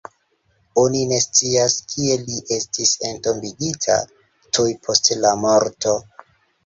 Oni ne scias, kie li estis entombigita tuj post la morto.